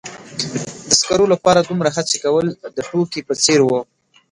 د سکرو لپاره دومره هڅې کول د ټوکې په څیر و.